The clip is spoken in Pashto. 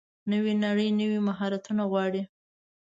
نوې نړۍ نوي مهارتونه غواړي.